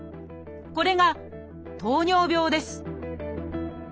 これが「糖尿病」です